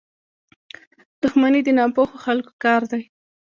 • دښمني د ناپوهو خلکو کار دی.